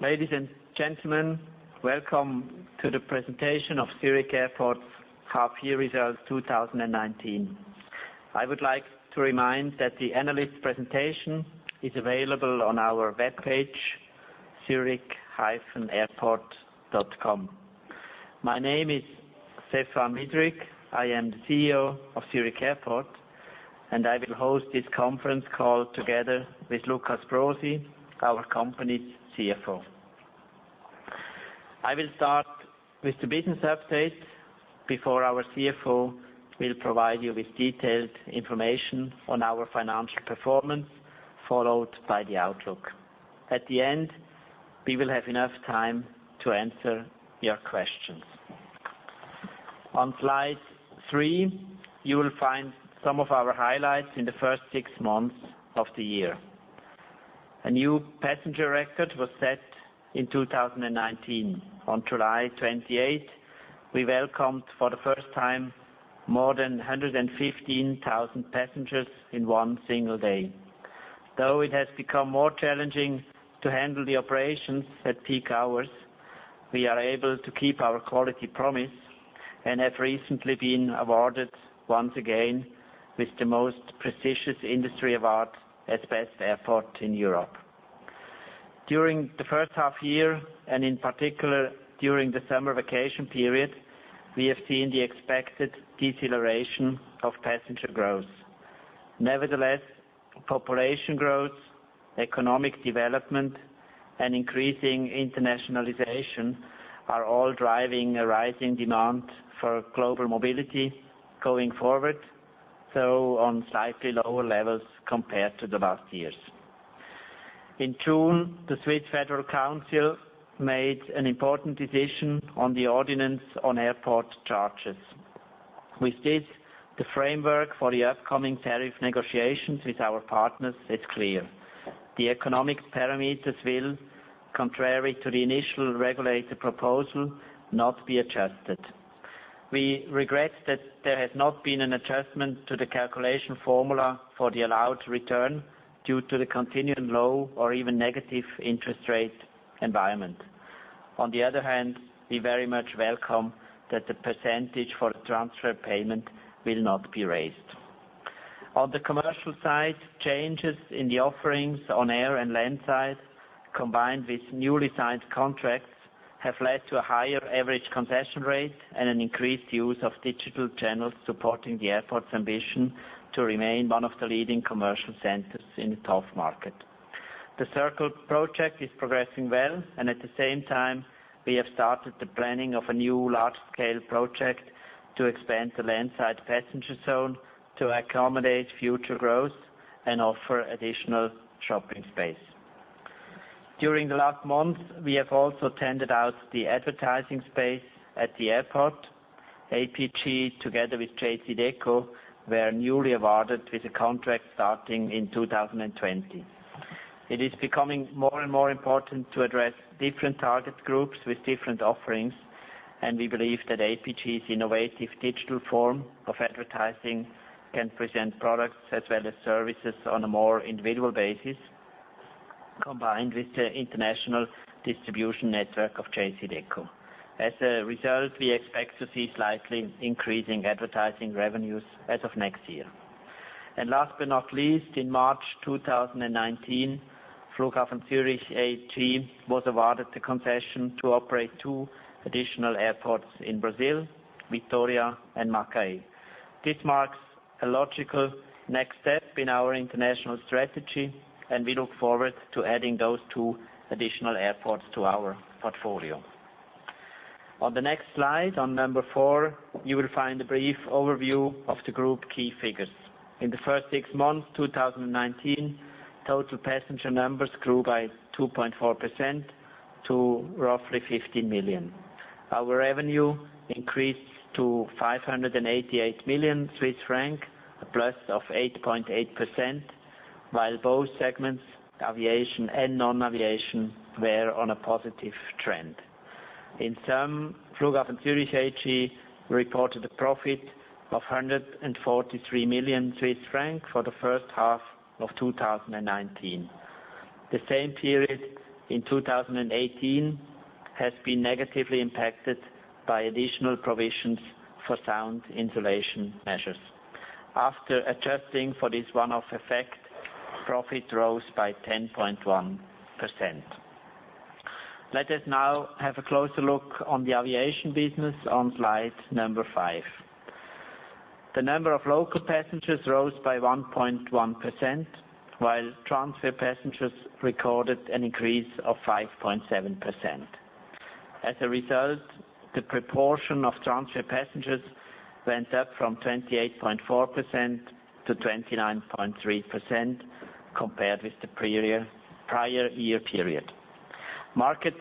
Ladies and gentlemen, welcome to the presentation of Zurich Airport's half-year results 2019. I would like to remind that the analyst presentation is available on our webpage, zurich-airport.com. My name is Stephan Widrig. I am the CEO of Zurich Airport, and I will host this conference call together with Lukas Brosi, our company's CFO. I will start with the business update before our CFO will provide you with detailed information on our financial performance, followed by the outlook. At the end, we will have enough time to answer your questions. On slide three, you will find some of our highlights in the first six months of the year. A new passenger record was set in 2019. On July 28, we welcomed for the first time more than 115,000 passengers in one single day. Though it has become more challenging to handle the operations at peak hours, we are able to keep our quality promise and have recently been awarded once again with the most prestigious industry award as best airport in Europe. During the first half year, and in particular during the summer vacation period, we have seen the expected deceleration of passenger growth. Nevertheless, population growth, economic development, and increasing internationalization are all driving a rising demand for global mobility going forward, though on slightly lower levels compared to the last years. In June, the Swiss Federal Council made an important decision on the Ordinance on Airport Charges. With this, the framework for the upcoming tariff negotiations with our partners is clear. The economic parameters will, contrary to the initial regulator proposal, not be adjusted. We regret that there has not been an adjustment to the calculation formula for the allowed return due to the continuing low or even negative interest rate environment. On the other hand, we very much welcome that the percentage for transfer payment will not be raised. On the commercial side, changes in the offerings on air and land side, combined with newly signed contracts, have led to a higher average concession rate and an increased use of digital channels supporting the airport's ambition to remain one of the leading commercial centers in a tough market. The Circle project is progressing well and at the same time, we have started the planning of a new large-scale project to expand the land side passenger zone to accommodate future growth and offer additional shopping space. During the last month, we have also tended out the advertising space at the airport. APG together with JCDecaux, were newly awarded with a contract starting in 2020. It is becoming more and more important to address different target groups with different offerings. We believe that APG's innovative digital form of advertising can present products as well as services on a more individual basis, combined with the international distribution network of JCDecaux. As a result, we expect to see slightly increasing advertising revenues as of next year. Last but not least, in March 2019, Flughafen Zürich AG was awarded the concession to operate two additional airports in Brazil, Vitória and Macaé. This marks a logical next step in our international strategy. We look forward to adding those two additional airports to our portfolio. On the next slide, on number 4, you will find a brief overview of the group key figures. In the first six months 2019, total passenger numbers grew by 2.4% to roughly 50 million. Our revenue increased to 588 million Swiss francs, a plus of 8.8%, while both segments, aviation and non-aviation, were on a positive trend. In sum, Flughafen Zürich AG reported a profit of 143 million Swiss francs for the first half of 2019. The same period in 2018 has been negatively impacted by additional provisions for sound insulation measures. After adjusting for this one-off effect, profit rose by 10.1%. Let us now have a closer look on the aviation business on slide number five. The number of local passengers rose by 1.1%, while transfer passengers recorded an increase of 5.7%. As a result, the proportion of transfer passengers went up from 28.4% to 29.3% compared with the prior year period. Markets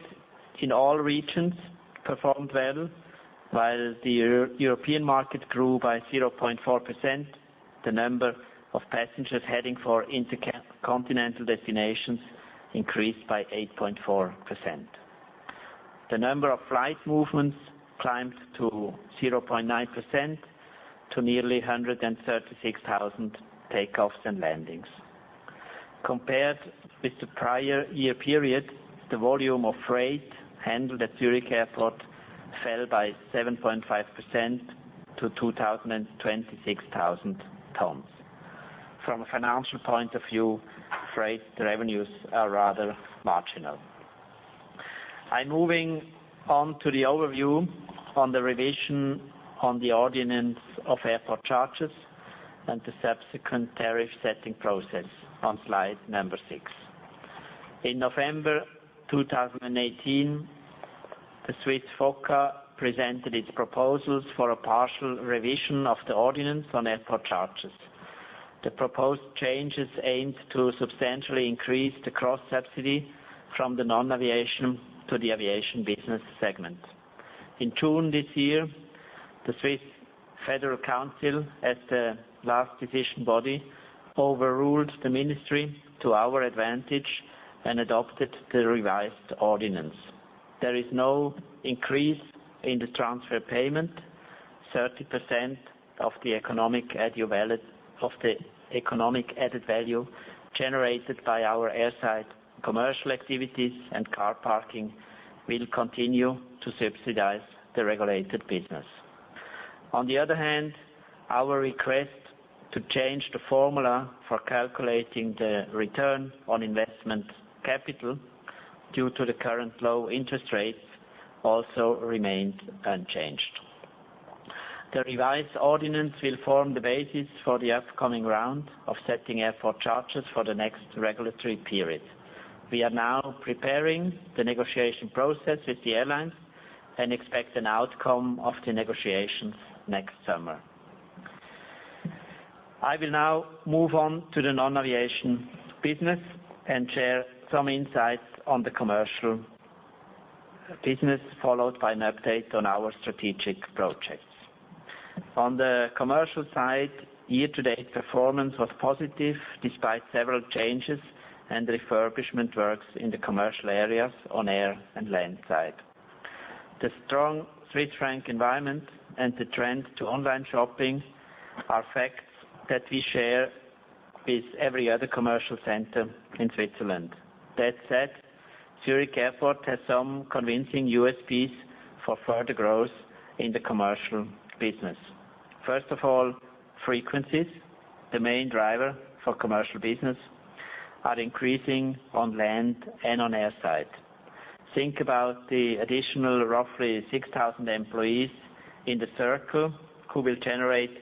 in all regions performed well. While the European market grew by 0.4%, the number of passengers heading for intercontinental destinations increased by 8.4%. The number of flight movements climbed to 0.9% to nearly 136,000 takeoffs and landings. Compared with the prior year period, the volume of freight handled at Zurich Airport fell by 7.5% to 226,000 tons. From a financial point of view, freight revenues are rather marginal. I'm moving on to the overview on the revision on the Ordinance on Airport Charges and the subsequent tariff setting process on slide number six. In November 2018, the Swiss FOCA presented its proposals for a partial revision of the Ordinance on Airport Charges. The proposed changes aimed to substantially increase the cross-subsidy from the non-aviation to the aviation business segment. In June this year, the Swiss Federal Council, as the last decision body, overruled the ministry to our advantage and adopted the revised ordinance. There is no increase in the transfer payment. 30% of the economic added value generated by our airside commercial activities and car parking will continue to subsidize the regulated business. On the other hand, our request to change the formula for calculating the return on investment capital due to the current low interest rates also remained unchanged. The revised Ordinance will form the basis for the upcoming round of setting airport charges for the next regulatory period. We are now preparing the negotiation process with the airlines and expect an outcome of the negotiations next summer. I will now move on to the non-aviation business and share some insights on the commercial business, followed by an update on our strategic projects. On the commercial side, year-to-date performance was positive despite several changes and refurbishment works in the commercial areas on air and land side. The strong Swiss franc environment and the trend to online shopping are facts that we share with every other commercial center in Switzerland. That said, Zurich Airport has some convincing USPs for further growth in the commercial business. First of all, frequencies, the main driver for commercial business, are increasing on land and on air side. Think about the additional roughly 6,000 employees in The Circle who will generate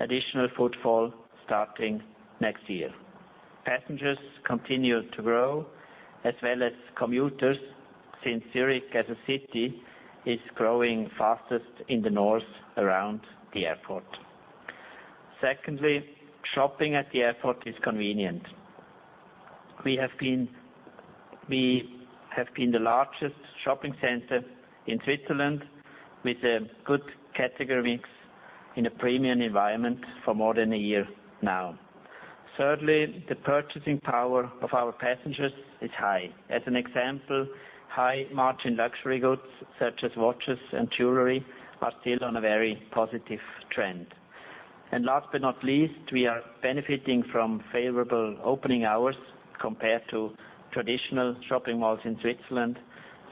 additional footfall starting next year. Passengers continue to grow as well as commuters, since Zurich as a city is growing fastest in the north around the airport. Secondly, shopping at the airport is convenient. We have been the largest shopping center in Switzerland with a good category mix in a premium environment for more than a year now. Thirdly, the purchasing power of our passengers is high. High margin luxury goods such as watches and jewelry are still on a very positive trend. Last but not least, we are benefiting from favorable opening hours compared to traditional shopping malls in Switzerland,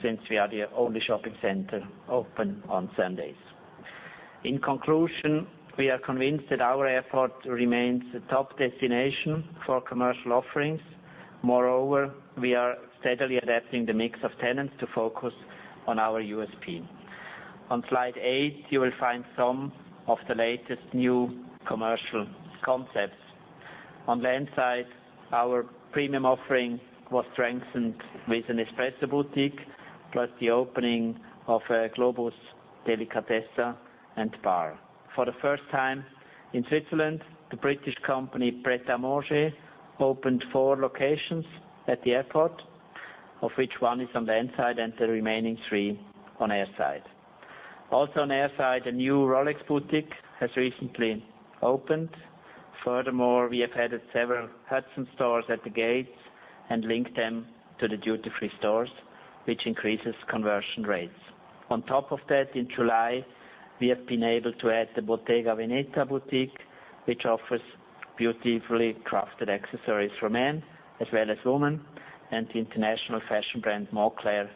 since we are the only shopping center open on Sundays. In conclusion, we are convinced that our airport remains a top destination for commercial offerings. Moreover, we are steadily adapting the mix of tenants to focus on our USP. On slide eight, you will find some of the latest new commercial concepts. On land side, our premium offering was strengthened with an espresso boutique, plus the opening of a Globus Delicatessa and bar. For the first time in Switzerland, the British company Pret A Manger opened four locations at the airport, of which one is on the inside and the remaining three on airside. Also on airside, a new Rolex boutique has recently opened. Furthermore, we have added several Hudson stores at the gates and linked them to the duty-free stores, which increases conversion rates. On top of that, in July, we have been able to add the Bottega Veneta boutique, which offers beautifully crafted accessories for men as well as women, and the international fashion brand Moncler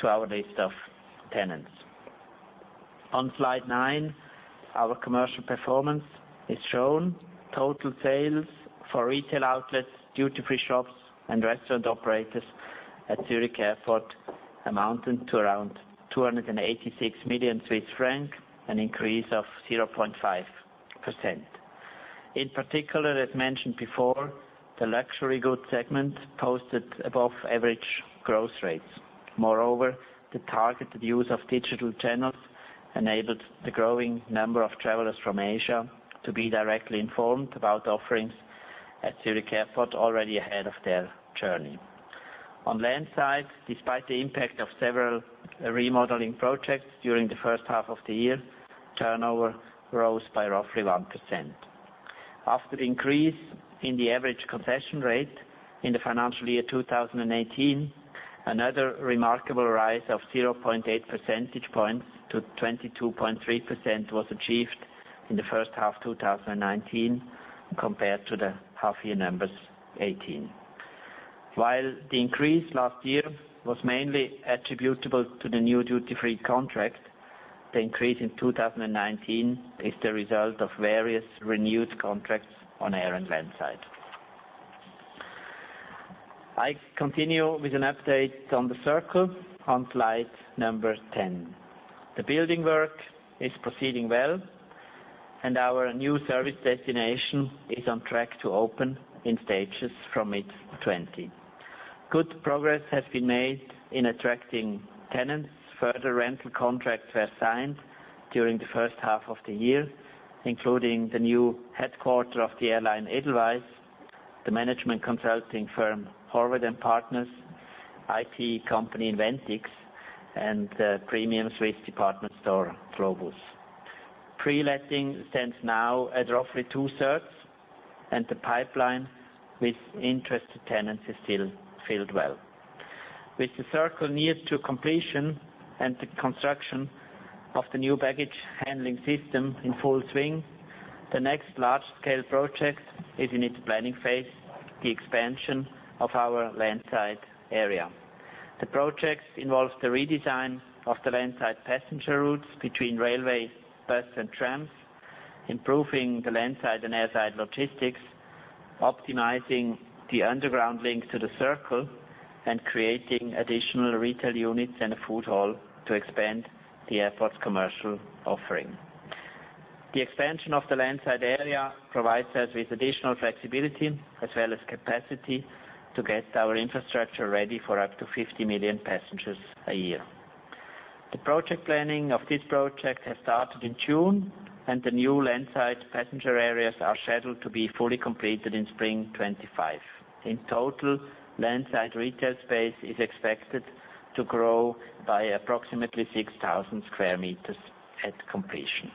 to our list of tenants. On slide nine, our commercial performance is shown. Total sales for retail outlets, duty-free shops, and restaurant operators at Zurich Airport amounted to around 286 million Swiss francs, an increase of 0.5%. In particular, as mentioned before, the luxury goods segment posted above average growth rates. Moreover, the targeted use of digital channels enabled the growing number of travelers from Asia to be directly informed about offerings at Zurich Airport already ahead of their journey. On land side, despite the impact of several remodeling projects during the first half of the year, turnover rose by roughly 1%. After the increase in the average concession rate in the financial year 2018, another remarkable rise of 0.8 percentage points to 22.3% was achieved in the first half 2019 compared to the half year numbers 2018. While the increase last year was mainly attributable to the new duty-free contract, the increase in 2019 is the result of various renewed contracts on air and landside. I continue with an update on The Circle on slide number 10. The building work is proceeding well, and our new service destination is on track to open in stages from mid 2020. Good progress has been made in attracting tenants. Further rental contracts were signed during the first half of the year, including the new headquarter of the airline, Edelweiss, the management consulting firm, Horváth & Partners, IT company, Inventx, and the premium Swiss department store, Globus. Pre-letting stands now at roughly two-thirds, and the pipeline with interested tenants is still filled well. With The Circle near to completion and the construction of the new baggage handling system in full swing, the next large-scale project is in its planning phase, the expansion of our landside area. The project involves the redesign of the landside passenger routes between railway, bus, and trams, improving the landside and airside logistics, optimizing the underground link to The Circle, and creating additional retail units and a food hall to expand the airport's commercial offering. The expansion of the landside area provides us with additional flexibility as well as capacity to get our infrastructure ready for up to 50 million passengers a year. The project planning of this project has started in June, and the new landside passenger areas are scheduled to be fully completed in spring 2025. In total, landside retail space is expected to grow by approximately 6,000 sq m at completion.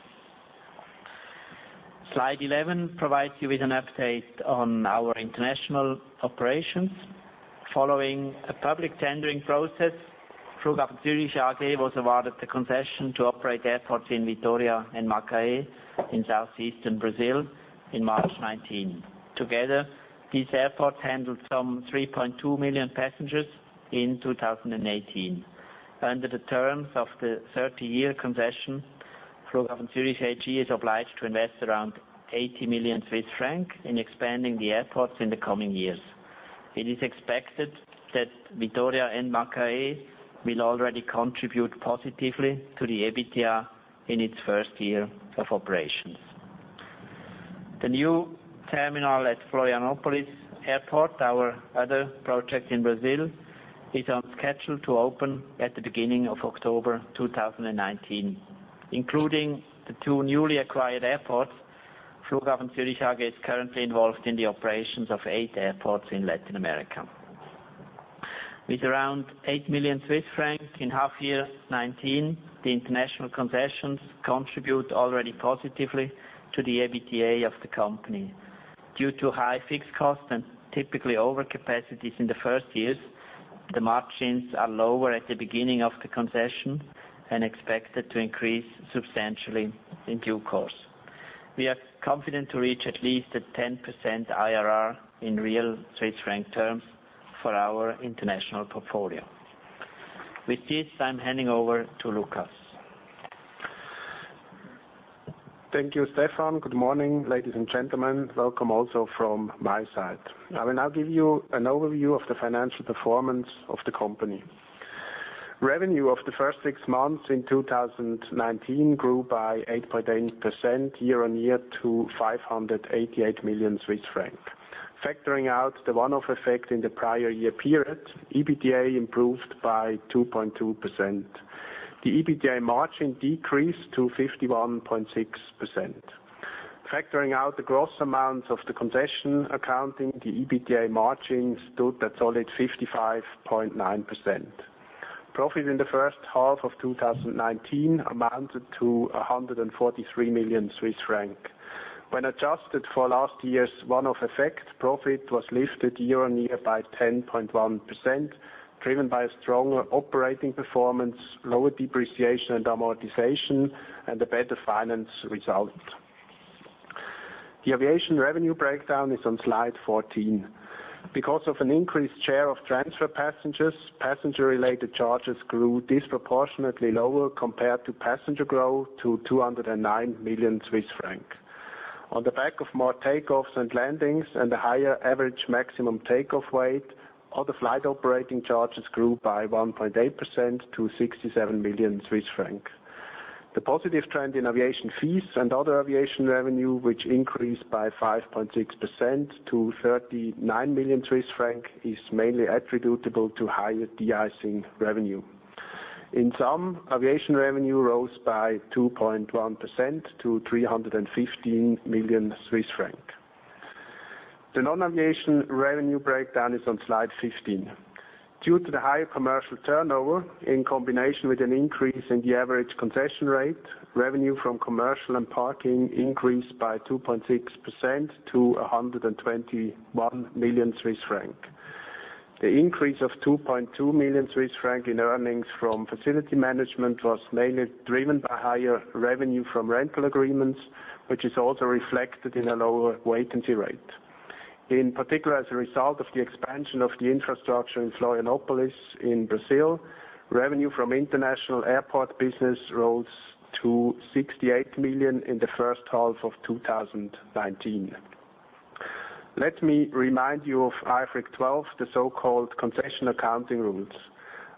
Slide 11 provides you with an update on our international operations. Following a public tendering process, Flughafen Zürich AG was awarded the concession to operate airports in Vitória and Macaé in southeastern Brazil in March 2019. Together, these airports handled some 3.2 million passengers in 2018. Under the terms of the 30-year concession, Flughafen Zürich AG is obliged to invest around 80 million Swiss francs in expanding the airports in the coming years. It is expected that Vitória and Macaé will already contribute positively to the EBITDA in its first year of operations. The new terminal at Florianópolis Airport, our other project in Brazil, is on schedule to open at the beginning of October 2019. Including the two newly acquired airports, Flughafen Zürich AG is currently involved in the operations of eight airports in Latin America. With around 8 million Swiss francs in half year 2019, the international concessions contribute already positively to the EBITDA of the company. Due to high fixed costs and typically over capacities in the first years, the margins are lower at the beginning of the concession and expected to increase substantially in due course. We are confident to reach at least a 10% IRR in real Swiss franc terms for our international portfolio. With this, I'm handing over to Lukas. Thank you, Stephan. Good morning, ladies and gentlemen. Welcome also from my side. I will now give you an overview of the financial performance of the company. Revenue of the first six months in 2019 grew by 8.8% year-on-year to 588 million Swiss francs. Factoring out the one-off effect in the prior year period, EBITDA improved by 2.2%. The EBITDA margin decreased to 51.6%. Factoring out the gross amounts of the concession accounting, the EBITDA margin stood at solid 55.9%. Profit in the first half of 2019 amounted to 143 million Swiss francs. When adjusted for last year's one-off effect, profit was lifted year-on-year by 10.1%, driven by a stronger operating performance, lower Depreciation and Amortization, and a better finance result. The aviation revenue breakdown is on slide 14. Because of an increased share of transfer passengers, passenger-related charges grew disproportionately lower compared to passenger growth to 209 million Swiss francs. On the back of more takeoffs and landings and a higher average maximum takeoff weight, all the flight operating charges grew by 1.8% to 67 million Swiss francs. The positive trend in aviation fees and other aviation revenue, which increased by 5.6% to 39 million Swiss francs, is mainly attributable to higher de-icing revenue. In sum, aviation revenue rose by 2.1% to 315 million Swiss francs. The non-aviation revenue breakdown is on slide 15. Due to the higher commercial turnover in combination with an increase in the average concession rate, revenue from commercial and parking increased by 2.6% to 121 million Swiss franc. The increase of 2.2 million Swiss franc in earnings from facility management was mainly driven by higher revenue from rental agreements, which is also reflected in a lower vacancy rate. In particular, as a result of the expansion of the infrastructure in Florianópolis in Brazil, revenue from international airport business rose to 68 million in the first half of 2019. Let me remind you of IFRIC 12, the so-called concession accounting rules.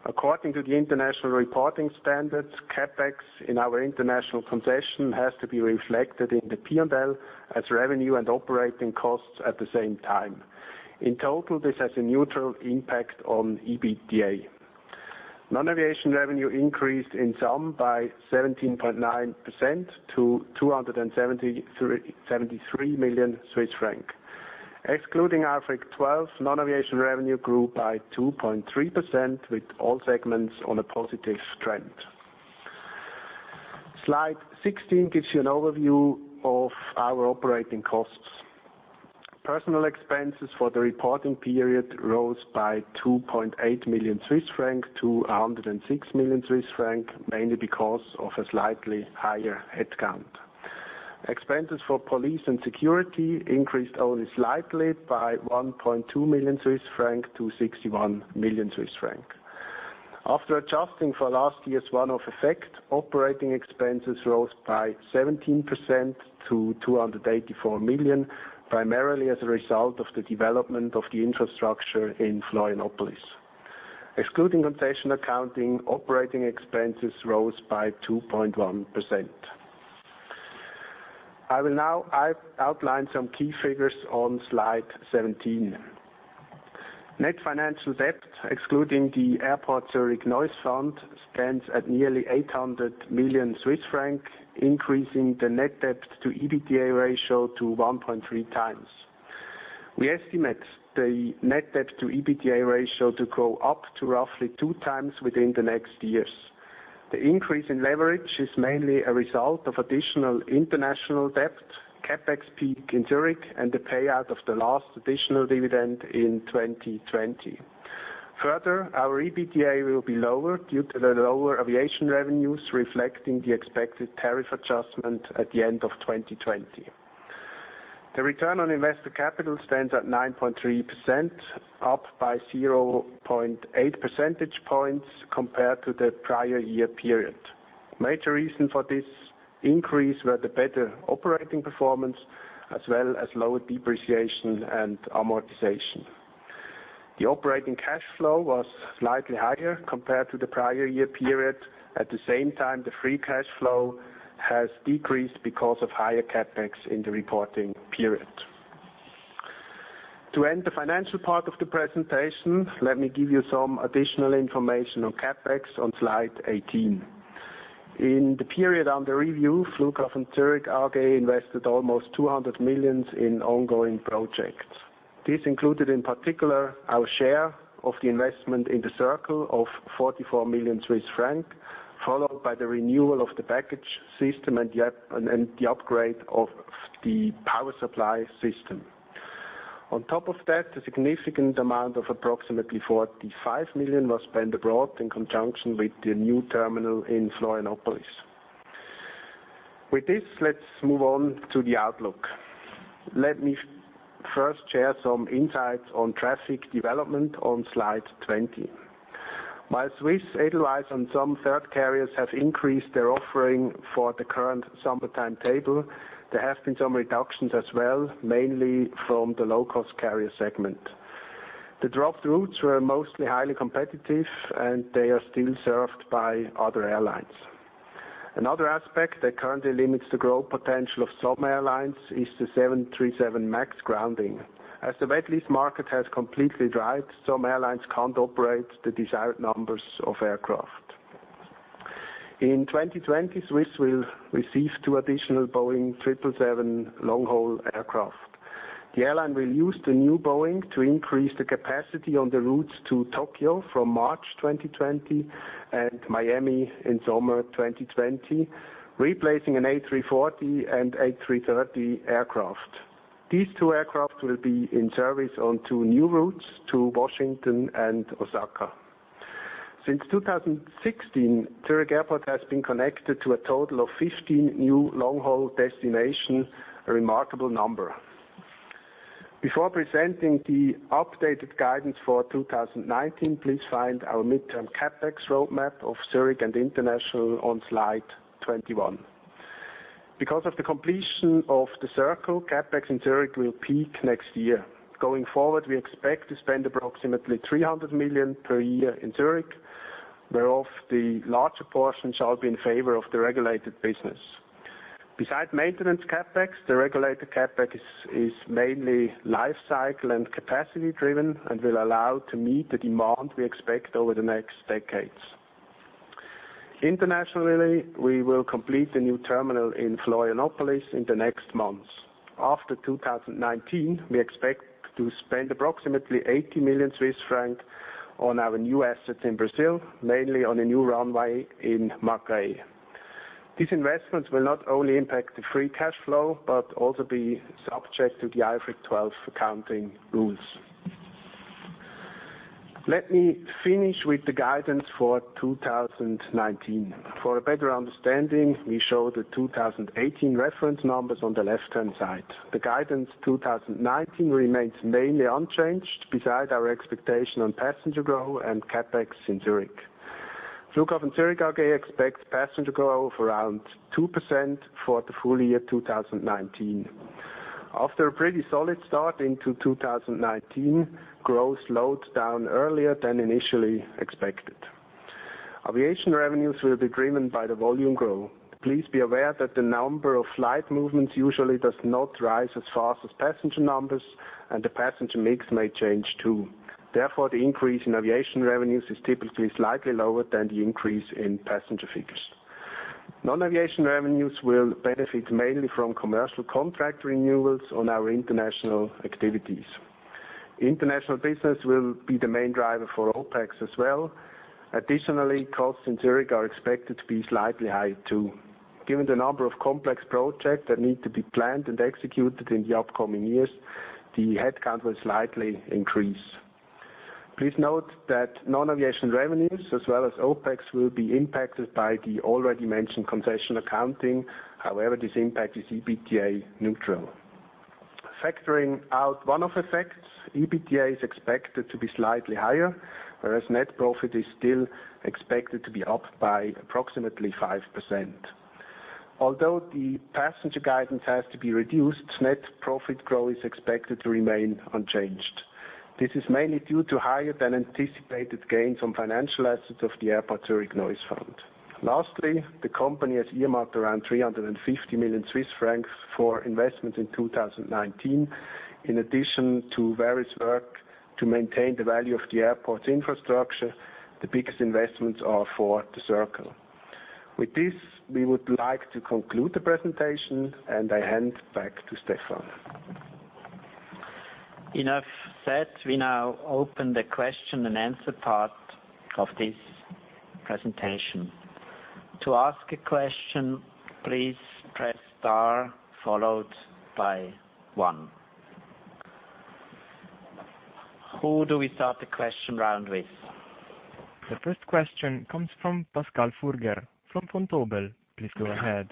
According to the international reporting standards, CapEx in our international concession has to be reflected in the P&L as revenue and operating costs at the same time. In total, this has a neutral impact on EBITDA. Non-aviation revenue increased in sum by 17.9% to 273 million Swiss franc. Excluding IFRIC 12, non-aviation revenue grew by 2.3%, with all segments on a positive trend. Slide 16 gives you an overview of our operating costs. Personnel expenses for the reporting period rose by 2.8 million Swiss francs to 106 million Swiss francs, mainly because of a slightly higher headcount. Expenses for police and security increased only slightly by 1.2 million Swiss francs to 61 million Swiss francs. After adjusting for last year's one-off effect, operating expenses rose by 17% to 284 million, primarily as a result of the development of the infrastructure in Florianópolis. Excluding concession accounting, operating expenses rose by 2.1%. I will now outline some key figures on slide 17. Net financial debt, excluding the Airport Zurich Noise Fund, stands at nearly 800 million Swiss francs, increasing the net debt to EBITDA ratio to 1.3 times. We estimate the net debt to EBITDA ratio to go up to roughly two times within the next years. The increase in leverage is mainly a result of additional international debt, CapEx peak in Zurich, and the payout of the last additional dividend in 2020. Our EBITDA will be lower due to the lower aviation revenues reflecting the expected tariff adjustment at the end of 2020. The return on investor capital stands at 9.3%, up by 0.8 percentage points compared to the prior year period. Major reason for this increase were the better operating performance as well as lower depreciation and amortization. The operating cash flow was slightly higher compared to the prior year period. At the same time, the free cash flow has decreased because of higher CapEx in the reporting period. To end the financial part of the presentation, let me give you some additional information on CapEx on slide 18. In the period under review, Flughafen Zürich AG invested almost 200 million in ongoing projects. This included, in particular, our share of the investment in The Circle of 44 million Swiss francs, followed by the renewal of the baggage system and the upgrade of the power supply system. On top of that, a significant amount of approximately 45 million was spent abroad in conjunction with the new terminal in Florianópolis. With this, let's move on to the outlook. Let me first share some insights on traffic development on slide 20. While Swiss, Edelweiss, and some third carriers have increased their offering for the current summer timetable, there have been some reductions as well, mainly from the low-cost carrier segment. The dropped routes were mostly highly competitive, and they are still served by other airlines. Another aspect that currently limits the growth potential of some airlines is the 737 MAX grounding. As the wet lease market has completely dried, some airlines can't operate the desired numbers of aircraft. In 2020, Swiss will receive two additional Boeing 777 long-haul aircraft. The airline will use the new Boeing to increase the capacity on the routes to Tokyo from March 2020 and Miami in summer 2020, replacing an A340 and A330 aircraft. These two aircraft will be in service on two new routes to Washington and Osaka. Since 2016, Zurich Airport has been connected to a total of 15 new long-haul destinations, a remarkable number. Before presenting the updated guidance for 2019, please find our midterm CapEx roadmap of Zurich and international on slide 21. Because of the completion of The Circle, CapEx in Zurich will peak next year. Going forward, we expect to spend approximately 300 million per year in Zurich, whereof the larger portion shall be in favor of the regulated business. Besides maintenance CapEx, the regulated CapEx is mainly life cycle and capacity driven and will allow to meet the demand we expect over the next decades. Internationally, we will complete the new terminal in Florianópolis in the next months. After 2019, we expect to spend approximately 80 million Swiss francs on our new assets in Brazil, mainly on a new runway in Macaé. These investments will not only impact the free cash flow, but also be subject to the IFRIC 12 accounting rules. Let me finish with the guidance for 2019. For a better understanding, we show the 2018 reference numbers on the left-hand side. The guidance 2019 remains mainly unchanged beside our expectation on passenger growth and CapEx in Zurich. Flughafen Zürich AG expects passenger growth around 2% for the full year 2019. After a pretty solid start into 2019, growth slowed down earlier than initially expected. Aviation revenues will be driven by the volume growth. Please be aware that the number of flight movements usually does not rise as fast as passenger numbers, and the passenger mix may change too. Therefore, the increase in aviation revenues is typically slightly lower than the increase in passenger figures. Non-aviation revenues will benefit mainly from commercial contract renewals on our international activities. International business will be the main driver for OpEx as well. Additionally, costs in Zurich are expected to be slightly higher, too. Given the number of complex projects that need to be planned and executed in the upcoming years, the headcount will slightly increase. Please note that non-aviation revenues as well as OpEx will be impacted by the already mentioned concession accounting. However, this impact is EBITDA neutral. Factoring out one-off effects, EBITDA is expected to be slightly higher, whereas net profit is still expected to be up by approximately 5%. Although the passenger guidance has to be reduced, net profit growth is expected to remain unchanged. This is mainly due to higher than anticipated gains on financial assets of the Airport Zurich Noise Fund. Lastly, the company has earmarked around 350 million Swiss francs for investments in 2019. In addition to various work to maintain the value of the airport's infrastructure, the biggest investments are for The Circle. With this, we would like to conclude the presentation, and I hand back to Stephan. Enough said. We now open the question and answer part of this presentation. To ask a question, please press star followed by one. Who do we start the question round with? The first question comes from Pascal Fuger from Vontobel. Please go ahead.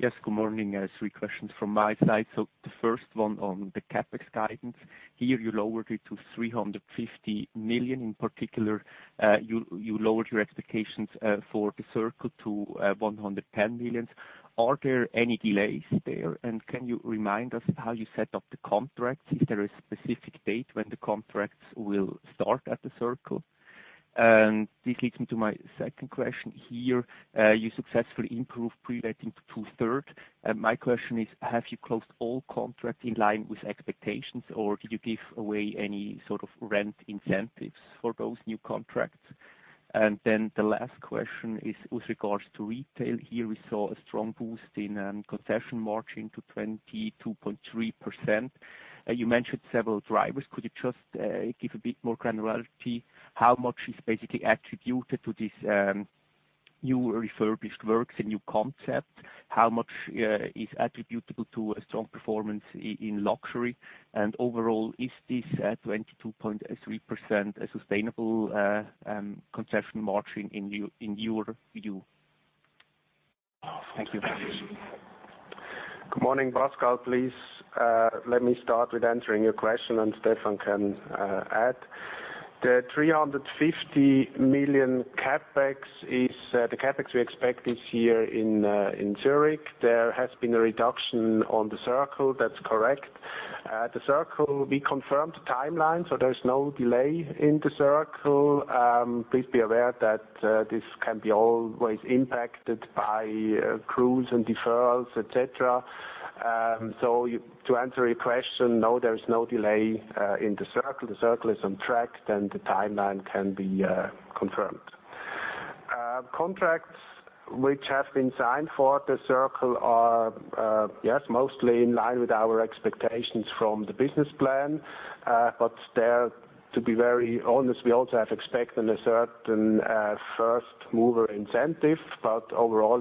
Yes, good morning. I have three questions from my side. The first one on the CapEx guidance. Here, you lowered it to 350 million. In particular, you lowered your expectations for The Circle to 110 million. Are there any delays there? Can you remind us how you set up the contracts? Is there a specific date when the contracts will start at The Circle? This leads me to my second question. Here, you successfully improved preletting to 2/3. My question is, have you closed all contracts in line with expectations, or did you give away any sort of rent incentives for those new contracts? The last question is with regards to retail. Here, we saw a strong boost in concession margin to 22.3%. You mentioned several drivers. Could you just give a bit more granularity, how much is basically attributed to this new refurbished works and new concept? How much is attributable to a strong performance in luxury? Overall, is this 22.3% a sustainable concession margin in your view? Thank you very much. Good morning, Pascal. Please let me start with answering your question. Stephan can add. The 350 million CapEx we expect this year in Zurich, there has been a reduction on The Circle, that's correct. The Circle, we confirmed the timeline. There is no delay in The Circle. Please be aware that this can be always impacted by crews and deferrals, et cetera. To answer your question, no, there is no delay in The Circle. The Circle is on track. The timeline can be confirmed. Contracts which have been signed for The Circle are mostly in line with our expectations from the business plan. To be very honest, we also have expected a certain first-mover incentive. Overall,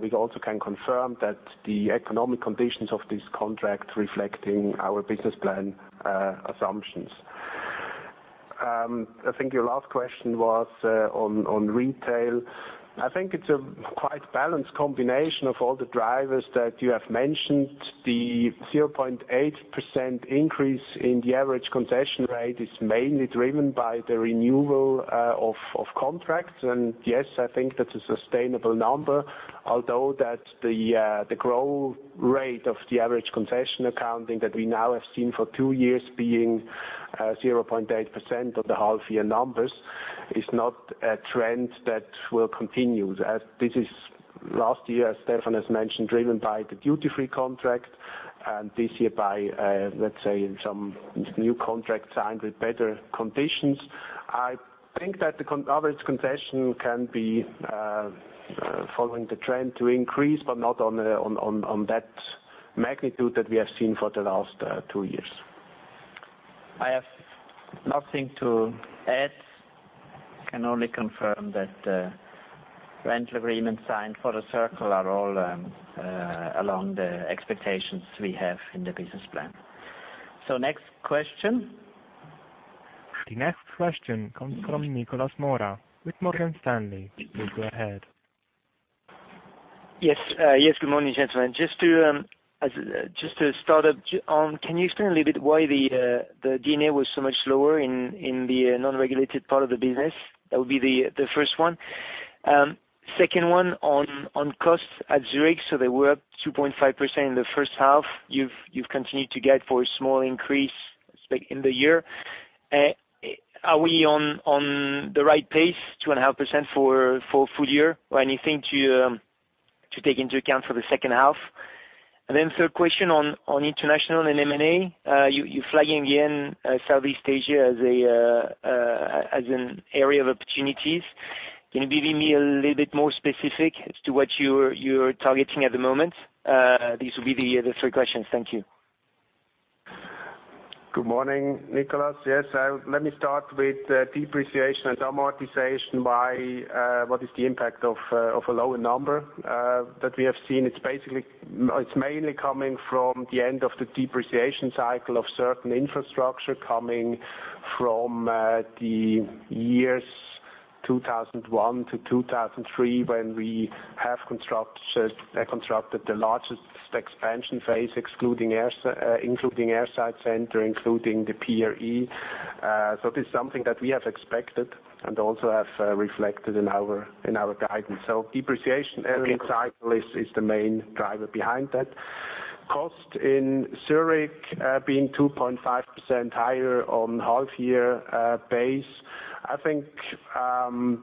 we also can confirm that the economic conditions of this contract reflecting our business plan assumptions. I think your last question was on retail. I think it's a quite balanced combination of all the drivers that you have mentioned. The 0.8% increase in the average concession rate is mainly driven by the renewal of contracts. Yes, I think that's a sustainable number, although that the growth rate of the average concession accounting that we now have seen for two years being 0.8% of the half year numbers is not a trend that will continue, as this is last year, Stephan Widrig has mentioned, driven by the duty-free contract. This year by, let's say some new contracts signed with better conditions. I think that the average concession can be following the trend to increase, but not on that magnitude that we have seen for the last two years. I have nothing to add. Can only confirm that rental agreements signed for The Circle are all along the expectations we have in the business plan. Next question. The next question comes from Nicolas Mora with Morgan Stanley. Please go ahead. Yes. Good morning, gentlemen. Can you explain a little bit why the D&A was so much lower in the non-regulated part of the business? That would be the first one. Second one on costs at Zurich. They were up 2.5% in the first half. You've continued to guide for a small increase in the year. Are we on the right pace, 2.5% for full year or anything to take into account for the second half? Third question on international and M&A. You're flagging again Southeast Asia as an area of opportunities. Can you give me a little bit more specific as to what you're targeting at the moment? This will be the three questions. Thank you. Good morning, Nicolas. Yes. Let me start with depreciation and amortization by what is the impact of a lower number that we have seen. It's mainly coming from the end of the depreciation cycle of certain infrastructure coming from the years 2001-2003, when we have constructed the largest expansion phase, including airside center, including the PRE. This is something that we have expected and also have reflected in our guidance. Depreciation earning cycle is the main driver behind that. Cost in Zurich being 2.5% higher on half-year base. I think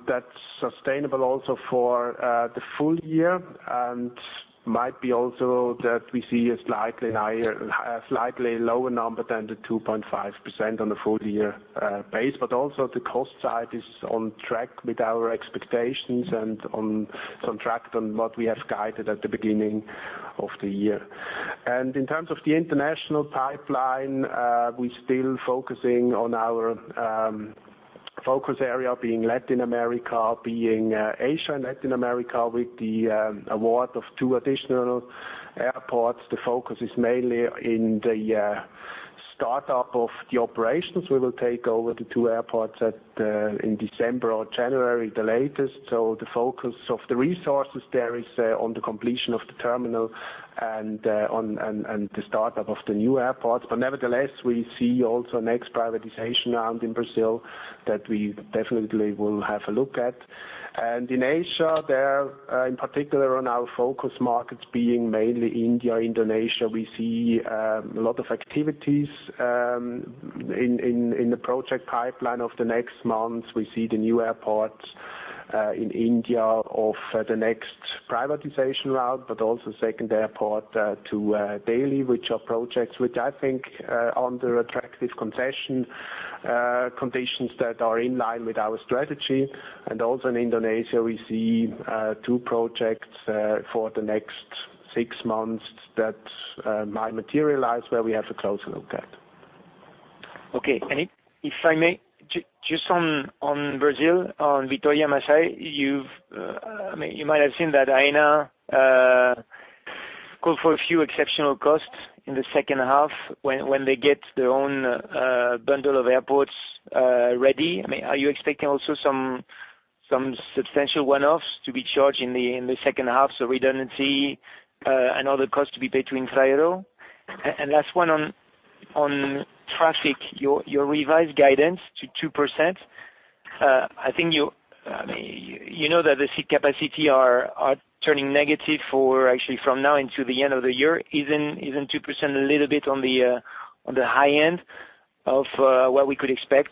that's sustainable also for the full year and might be also that we see a slightly lower number than the 2.5% on the full-year base. Also the cost side is on track with our expectations and on track than what we have guided at the beginning of the year. In terms of the international pipeline, we're still focusing on our focus area being Latin America, being Asia and Latin America with the award of 2 additional airports. The focus is mainly in the startup of the operations. We will take over the 2 airports in December or January the latest. The focus of the resources there is on the completion of the terminal and the startup of the new airports. Nevertheless, we see also next privatization round in Brazil that we definitely will have a look at. In Asia, there in particular on our focus markets being mainly India, Indonesia, we see a lot of activities in the project pipeline of the next months. We see the new airports in India of the next privatization route, but also second airport to Delhi, which are projects which I think under attractive concession conditions that are in line with our strategy. Also in Indonesia, we see two projects for the next six months that might materialize where we have a closer look at. Okay. If I may, just on Brazil, on Vitória, Macaé. You might have seen that Aena called for a few exceptional costs in the second half when they get their own bundle of airports ready. Are you expecting also some substantial one-offs to be charged in the second half, so redundancy and other costs to be paid to Infraero? Last one on traffic, your revised guidance to 2%. You know that the seat capacity are turning negative for actually from now until the end of the year. Isn't 2% a little bit on the high end of what we could expect?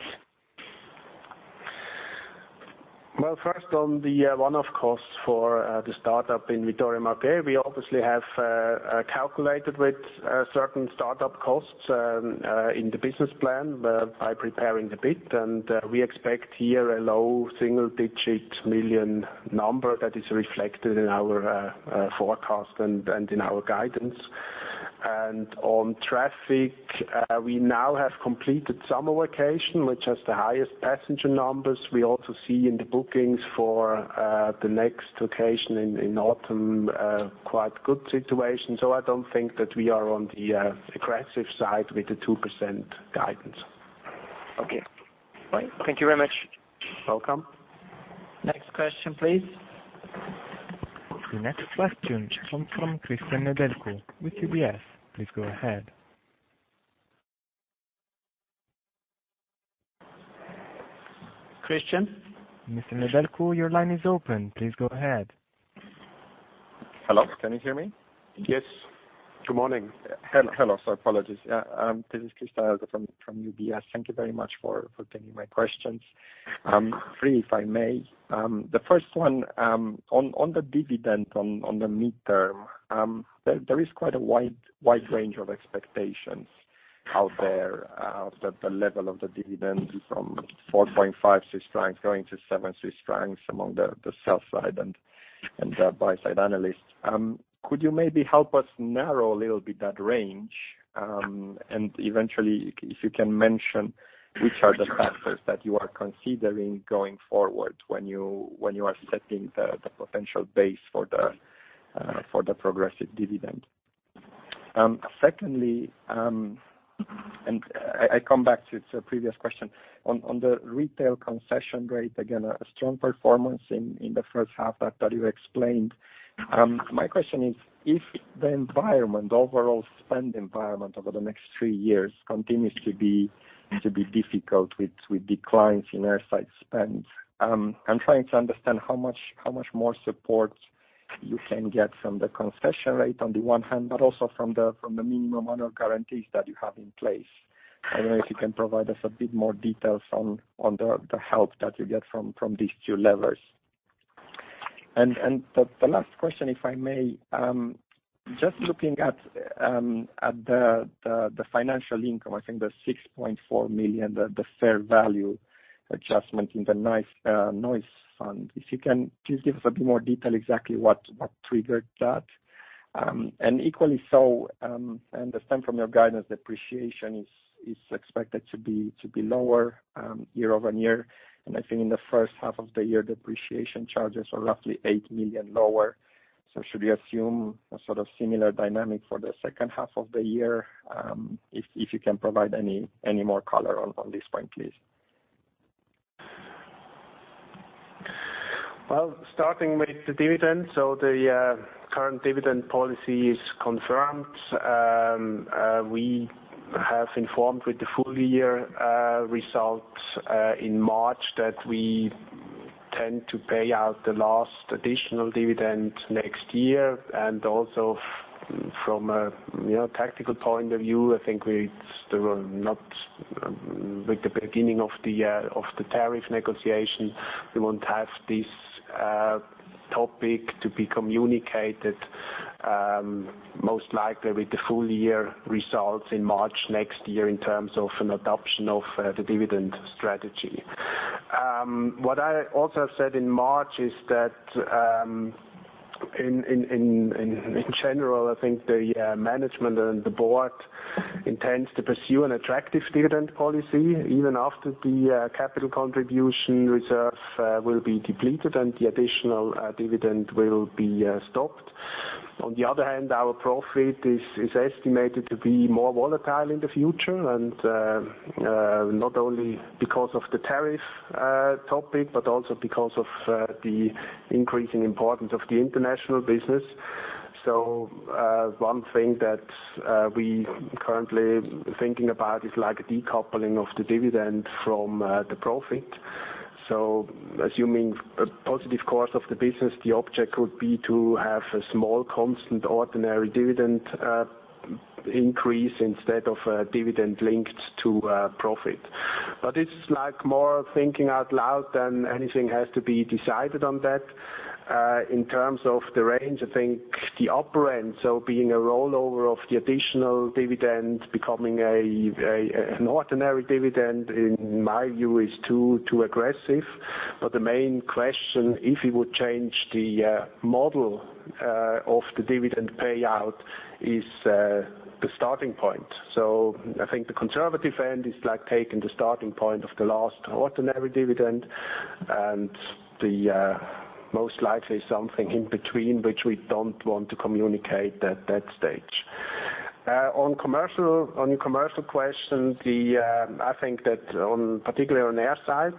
Well, first on the one-off costs for the startup in Vitória, Macaé. We obviously have calculated with certain startup costs in the business plan by preparing the bid. We expect here a CHF low single-digit million that is reflected in our forecast and in our guidance. On traffic, we now have completed summer vacation, which has the highest passenger numbers. We also see in the bookings for the next vacation in autumn, quite good situation. I don't think that we are on the aggressive side with the 2% guidance. Okay. Bye. Thank you very much. Welcome. Next question, please. The next question comes from Cristian Nedelcu with UBS. Please go ahead. Cristian? Mr. Nedelcu, your line is open. Please go ahead. Hello, can you hear me? Yes. Good morning. Hello. Sorry, apologies. This is Cristian Nedelcu from UBS. Thank you very much for taking my questions. Three, if I may. The first one, on the dividend on the midterm. There is quite a wide range of expectations. Out there, the level of the dividend from 4.5 Swiss francs going to 7 Swiss francs among the sell side and the buy side analysts. Could you maybe help us narrow a little bit that range? Eventually, if you can mention which are the factors that you are considering going forward when you are setting the potential base for the progressive dividend. Secondly, I come back to the previous question. On the retail concession rate, again, a strong performance in the first half that you explained. My question is, if the environment, overall spend environment, over the next three years continues to be difficult with declines in air site spend. I'm trying to understand how much more support you can get from the concession rate on the one hand, but also from the minimum amount of guarantees that you have in place. I don't know if you can provide us a bit more details on the help that you get from these two levers. The last question, if I may. Just looking at the financial income, I think the 6.4 million, the fair value adjustment in the Noise Fund. If you can please give us a bit more detail exactly what triggered that? Equally so, I understand from your guidance, depreciation is expected to be lower year-over-year. I think in the first half of the year, depreciation charges are roughly 8 million lower. Should we assume a sort of similar dynamic for the second half of the year? If you can provide any more color on this point, please. Starting with the dividend. The current dividend policy is confirmed. We have informed with the full year results in March that we tend to pay out the last additional dividend next year. Also from a tactical point of view, I think with the beginning of the tariff negotiation, we won't have this topic to be communicated. Most likely with the full year results in March next year in terms of an adoption of the dividend strategy. What I also have said in March is that, in general, I think the management and the board intends to pursue an attractive dividend policy even after the capital contribution reserve will be depleted and the additional dividend will be stopped. On the other hand, our profit is estimated to be more volatile in the future. Not only because of the tariff topic, but also because of the increasing importance of the international business. One thing that we currently thinking about is like a decoupling of the dividend from the profit. Assuming a positive course of the business, the object could be to have a small constant ordinary dividend increase instead of a dividend linked to profit. It's more thinking out loud than anything has to be decided on that. In terms of the range, I think the upper end, so being a rollover of the additional dividend becoming an ordinary dividend, in my view, is too aggressive. The main question, if it would change the model of the dividend payout, is the starting point. I think the conservative end is taking the starting point of the last ordinary dividend and most likely something in between which we don't want to communicate at that stage. On your commercial question, I think that particularly on the air side,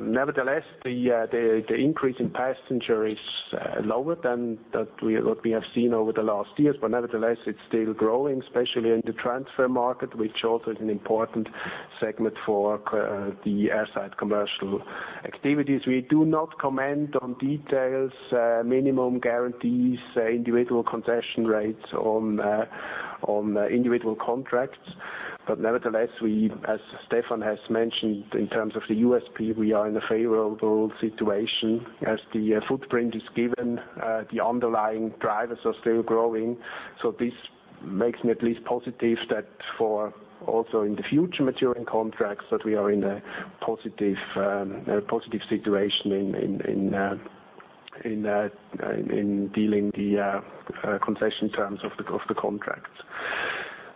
nevertheless, the increase in passenger is lower than what we have seen over the last years. Nevertheless, it's still growing, especially in the transfer market, which also is an important segment for the air side commercial activities. We do not comment on details, minimum guarantees, individual concession rates on individual contracts. Nevertheless, as Stephan has mentioned, in terms of the USP, we are in a favorable situation as the footprint is given, the underlying drivers are still growing. This makes me at least positive that for also in the future maturing contracts, that we are in a positive situation in dealing the concession terms of the contract.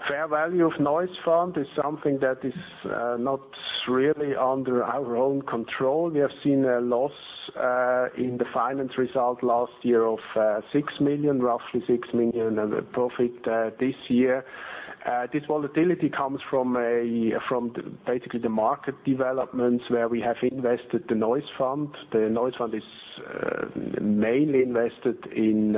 Fair value of Noise Fund is something that is not really under our own control. We have seen a loss in the finance result last year of 6 million, roughly 6 million profit this year. This volatility comes from basically the market developments where we have invested the Noise Fund. The Noise Fund is mainly invested in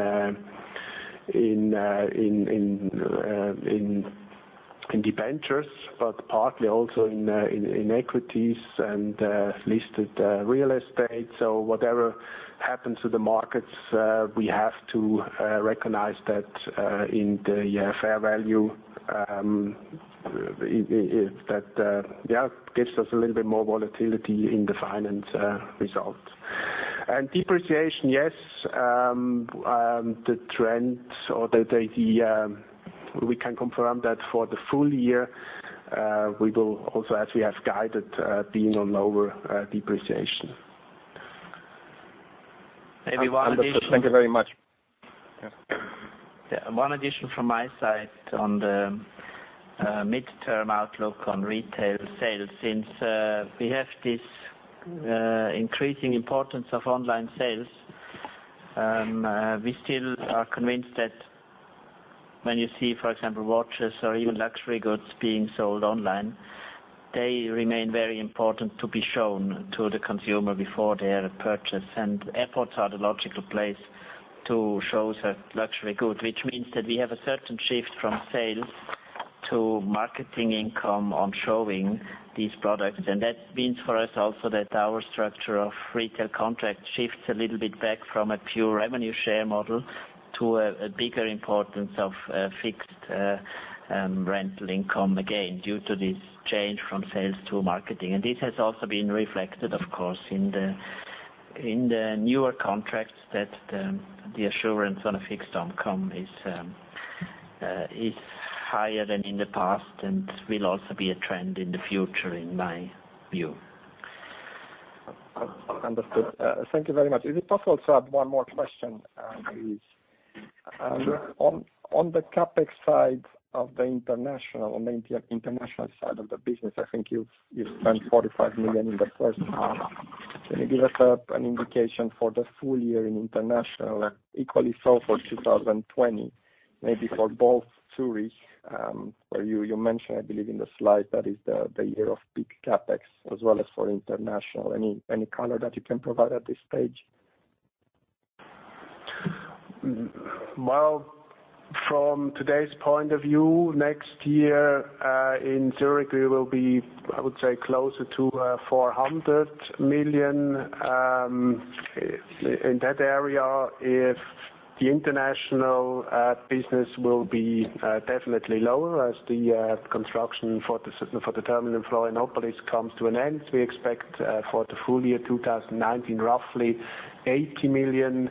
debentures, but partly also in equities and listed real estate. Whatever happens to the markets, we have to recognize that in the fair value. That gives us a little bit more volatility in the finance result. Depreciation, yes. The trends or the idea, we can confirm that for the full year, we will also, as we have guided, being on lower depreciation. Maybe one addition- Understood. Thank you very much. Yes. One addition from my side on the midterm outlook on retail sales. Since we have this increasing importance of online sales, we still are convinced that when you see, for example, watches or even luxury goods being sold online, they remain very important to be shown to the consumer before they are purchased. And airports are the logical place to show such luxury goods. Which means that we have a certain shift from sales to marketing income on showing these products. And that means for us also that our structure of retail contract shifts a little bit back from a pure revenue share model to a bigger importance of fixed rental income again, due to this change from sales to marketing. This has also been reflected, of course, in the newer contracts that the assurance on a fixed income is higher than in the past and will also be a trend in the future, in my view. Understood. Thank you very much. Is it possible to add one more question, please? Sure. On the CapEx side of the international side of the business, I think you've spent 45 million in the first half. Can you give us an indication for the full year in international, equally so for 2020, maybe for both Zurich, where you mentioned, I believe in the slide, that is the year of big CapEx as well as for international. Any color that you can provide at this stage? From today's point of view, next year in Zurich, we will be, I would say, closer to 400 million, in that area. If the international business will be definitely lower as the construction for the terminal in Florianópolis comes to an end. We expect for the full year 2019, roughly 80 million,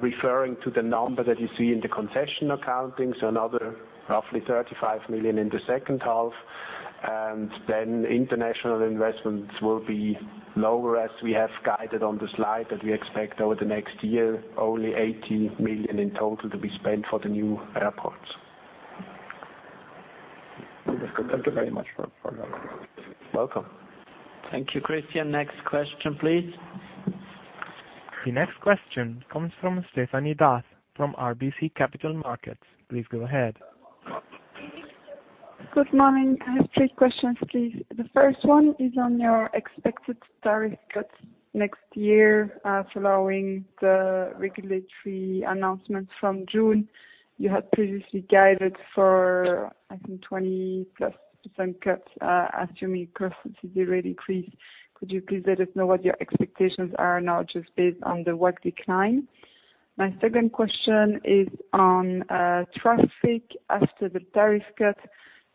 referring to the number that you see in the concession accounting, another roughly 35 million in the second half. International investments will be lower as we have guided on the slide that we expect over the next year, only 80 million in total to be spent for the new airports. Understood. Thank you very much for that. Welcome. Thank you, Cristian. Next question, please. The next question comes from Stephanie D'Ath from RBC Capital Markets. Please go ahead. Good morning. I have three questions, please. The first one is on your expected tariff cuts next year. Following the regulatory announcements from June, you had previously guided for, I think, 20-plus % cuts, assuming capacity rate increase. Could you please let us know what your expectations are now just based on the WACC decline? My second question is on traffic after the tariff cut.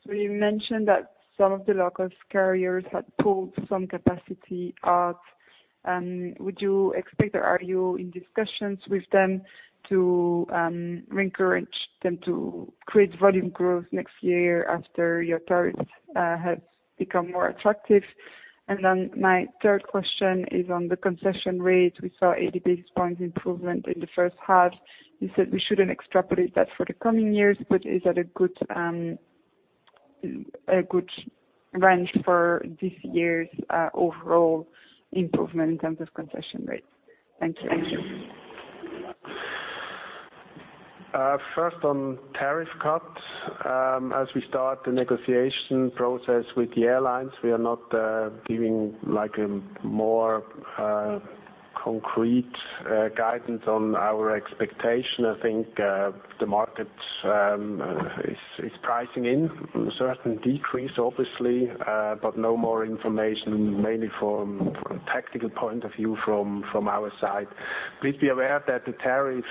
You mentioned that some of the local carriers had pulled some capacity out. Would you expect, or are you in discussions with them to re-encourage them to create volume growth next year after your tariffs have become more attractive? My third question is on the concession rate. We saw 80 basis points improvement in the first half. You said we shouldn't extrapolate that for the coming years. Is that a good range for this year's overall improvement in terms of concession rates? Thank you. Thank you. First on tariff cuts. As we start the negotiation process with the airlines, we are not giving a more concrete guidance on our expectation. I think the market is pricing in certain decrease, obviously, but no more information, mainly from a tactical point of view from our side. Please be aware that the tariff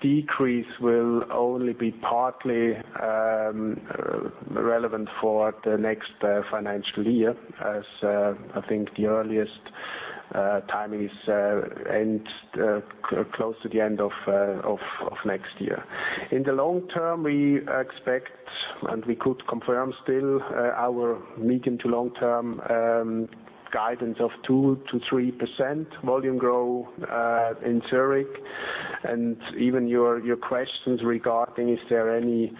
decrease will only be partly relevant for the next financial year as I think the earliest timing is close to the end of next year. In the long term, we expect, and we could confirm still our medium to long term guidance of 2% to 3% volume growth in Zurich. Even your questions regarding is there any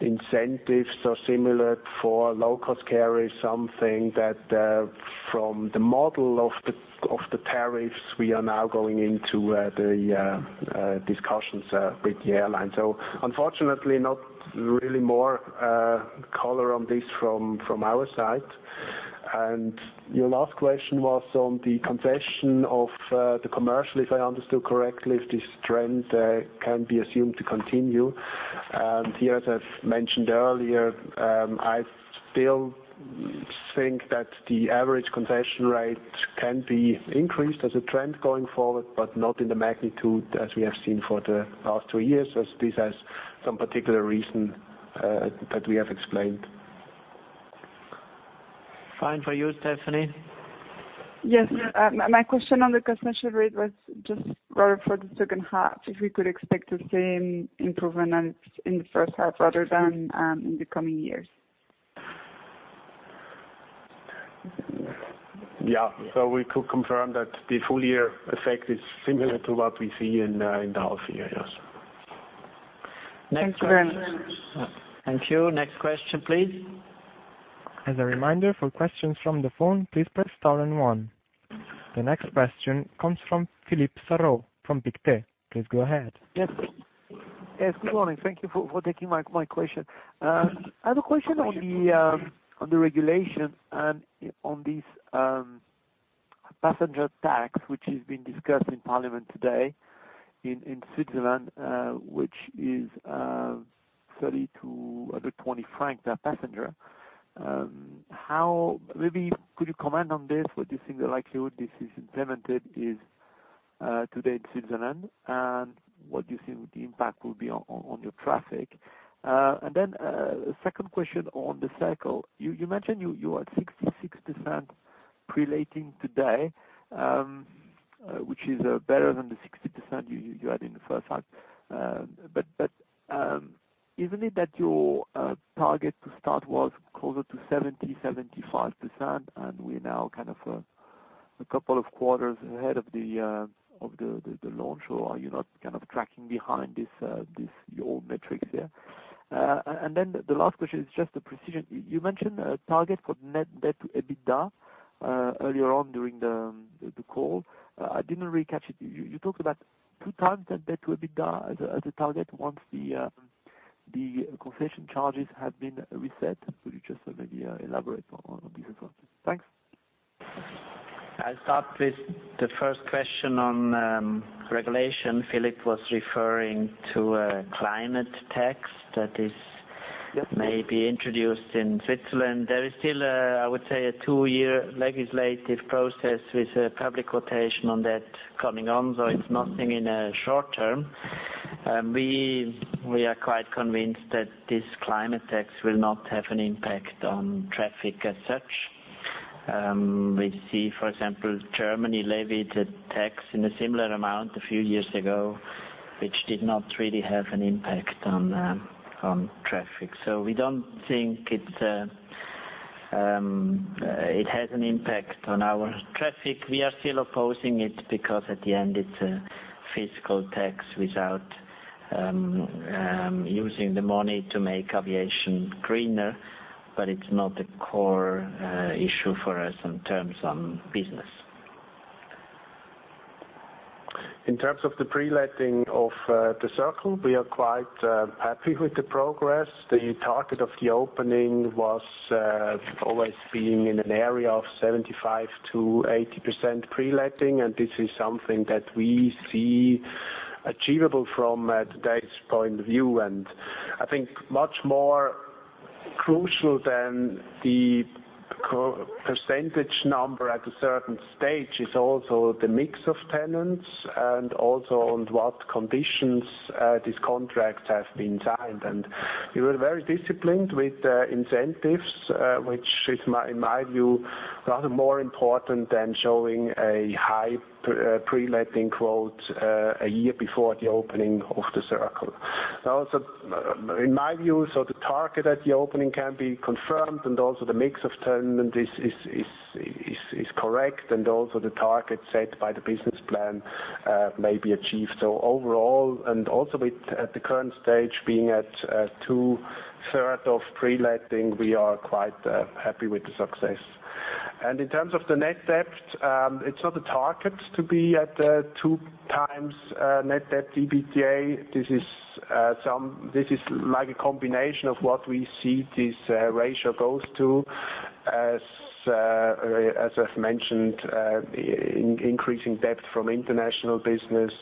incentives or similar for low-cost carriers, something that from the model of the tariffs, we are now going into the discussions with the airlines. Unfortunately, not really more color on this from our side. Your last question was on the concession of the commercial, if I understood correctly, if this trend can be assumed to continue. Here, as I've mentioned earlier, I still think that the average concession rate can be increased as a trend going forward, but not in the magnitude as we have seen for the past two years, as this has some particular reason that we have explained. Fine for you, Stephanie? Yes. My question on the commercial rate was just rather for the second half, if we could expect the same improvement as in the first half rather than in the coming years. Yeah. We could confirm that the full year effect is similar to what we see in the whole year, yes. Thanks very much. Thank you. Next question, please. As a reminder, for questions from the phone, please press star and one. The next question comes from Philippe Saraux from Pictet. Please go ahead. Yes. Good morning. Thank you for taking my question. I had a question on the regulation and on this passenger tax, which is being discussed in parliament today in Switzerland, which is 30-120 francs per passenger. Maybe could you comment on this, what you think the likelihood this is implemented is today in Switzerland, and what you think the impact will be on your traffic. Then a second question on The Circle. You mentioned you are at 66% pre-letting today, which is better than the 60% you had in the first half. Isn't it that your target to start was closer to 70%-75% and we're now a couple of quarters ahead of the launch, or are you not kind of tracking behind your metrics there? Then the last question is just a precision. You mentioned a target for net debt to EBITDA earlier on during the call. I didn't really catch it. You talked about two times net debt to EBITDA as a target once the concession charges have been reset. Could you just maybe elaborate on this as well? Thanks. I'll start with the first question on regulation. Philippe was referring to a climate tax that is maybe introduced in Switzerland. There is still, I would say, a two-year legislative process with a public consultation on that coming on, so it's nothing in a short term. We are quite convinced that this climate tax will not have an impact on traffic as such. We see, for example, Germany levied a tax in a similar amount a few years ago, which did not really have an impact on traffic. We don't think it has an impact on our traffic. We are still opposing it because at the end it's a fiscal tax without using the money to make aviation greener, it's not a core issue for us in terms on business. In terms of the pre-letting of The Circle, we are quite happy with the progress. The target of the opening was always being in an area of 75%-80% pre-letting. This is something that we see achievable from today's point of view. I think much more crucial than the percentage number at a certain stage is also the mix of tenants and also on what conditions these contracts have been signed. We were very disciplined with incentives, which is, in my view, rather more important than showing a high pre-letting quote a year before the opening of The Circle. Also in my view, the target at the opening can be confirmed. The mix of tenant is correct. The target set by the business plan may be achieved. Overall, and also with at the current stage being at two-thirds of pre-letting, we are quite happy with the success. In terms of the net debt, it's not a target to be at the two times net debt to EBITDA. This is like a combination of what we see this ratio goes to as I've mentioned, increasing debt from international business,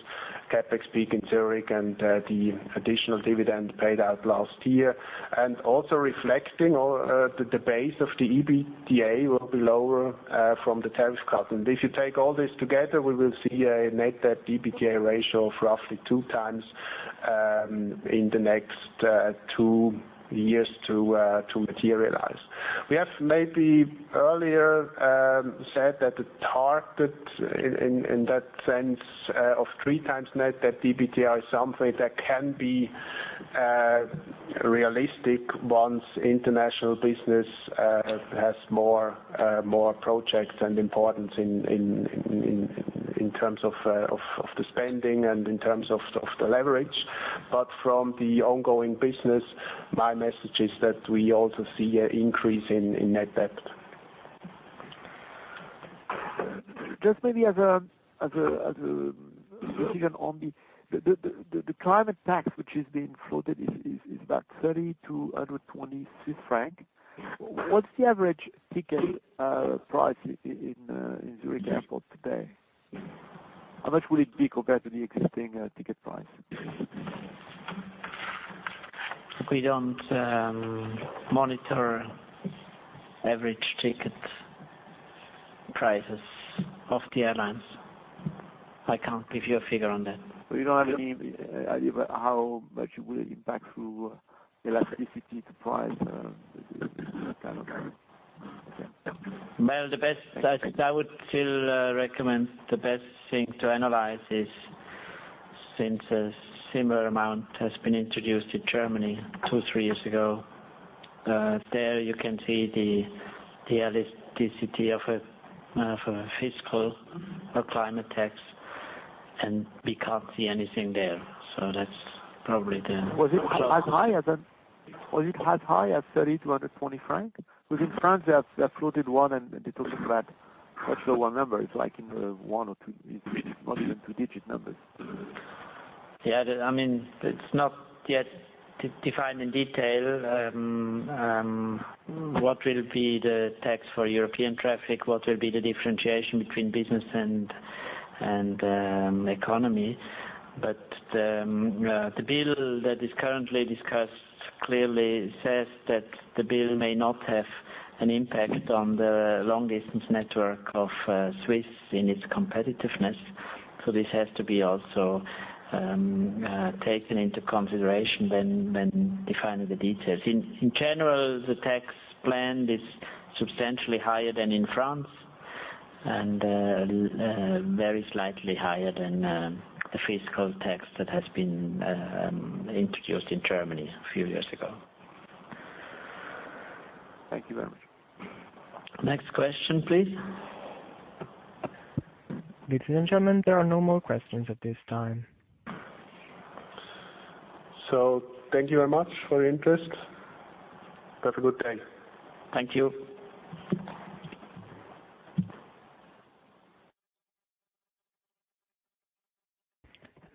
CapEx peak in Zurich, and the additional dividend paid out last year. Also reflecting the base of the EBITDA will be lower from the tariff cut. If you take all this together, we will see a net debt to EBITDA ratio of roughly two times in the next two years to materialize. We have maybe earlier said that the target in that sense of three times net debt EBITDA is something that can be realistic once international business has more projects and importance in terms of the spending and in terms of the leverage. From the ongoing business, my message is that we also see an increase in net debt. Just maybe as a decision on the climate tax which is being floated is about 30-120 Swiss francs. What's the average ticket price in Zurich Airport today? How much will it be compared to the existing ticket price? We don't monitor average ticket prices of the airlines. I can't give you a figure on that. You don't have any idea about how much it will impact through elasticity to price, that kind of thing? Okay. Well, I would still recommend the best thing to analyze is, since a similar amount has been introduced in Germany two, three years ago, there you can see the elasticity of a fiscal or climate tax, and we can't see anything there. Was it as high as 30-120 francs? In France, they have floated one, and they're talking about actual numbers, like in the one or two, not even two digit numbers. It's not yet defined in detail what will be the tax for European traffic, what will be the differentiation between business and economy. The bill that is currently discussed clearly says that the bill may not have an impact on the long distance network of Swiss in its competitiveness. This has to be also taken into consideration when defining the details. In general, the tax plan is substantially higher than in France and very slightly higher than the fiscal tax that has been introduced in Germany a few years ago. Thank you very much. Next question, please. Ladies and gentlemen, there are no more questions at this time. Thank you very much for your interest. Have a good day. Thank you.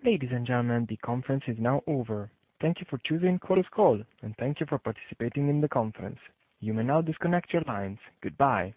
Ladies and gentlemen, the conference is now over. Thank you for choosing Chorus Call, and thank you for participating in the conference. You may now disconnect your lines. Goodbye.